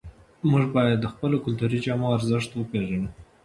موږ باید د خپلو کلتوري جامو ارزښت وپېژنو.